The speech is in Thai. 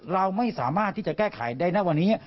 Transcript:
เราไม่สามารถที่จะแก้ไขได้นะวันนี้